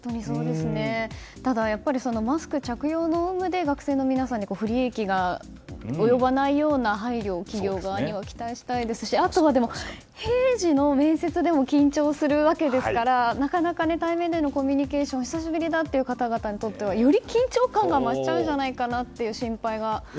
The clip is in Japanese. ただ、マスク着用の有無で学生の皆さんに不利益が及ばないような配慮を企業側には期待したいですしあとは、平時の面接でも緊張するわけですからなかなか対面でのコミュニケーションが久しぶりだという方々にとってはより緊張感が増してしまうのではという心配がありますね。